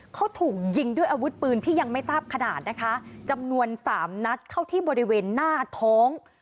เขาถูกยิงด้วยอาวุธปืนที่ยังไม่ทราบขนาดนะคะจำนวนสามนัดเข้าที่บริเวณหน้าท้อง